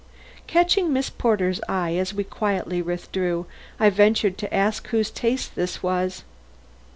Catching Miss Porter's eye as we quietly withdrew, I ventured to ask whose taste this was.